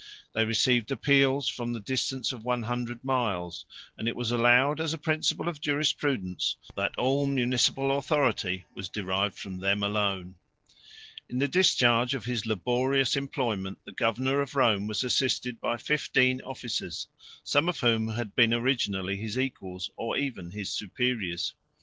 They received appeals from the distance of one hundred miles; and it was allowed as a principle of jurisprudence, that all municipal authority was derived from them alone. 108 In the discharge of his laborious employment, the governor of Rome was assisted by fifteen officers, some of whom had been originally his equals, or even his superiors.